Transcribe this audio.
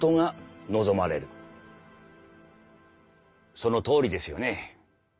そのとおりですよね。